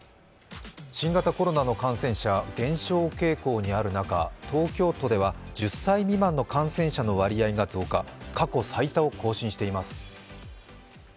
新型コロナの感染者が減少傾向にある中、東京都では１０歳未満の感染者の割合が増加。